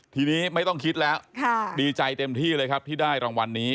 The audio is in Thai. ทีนี้ไม่ต้องคิดแล้วดีใจเต็มที่เลยครับที่ได้รางวัลนี้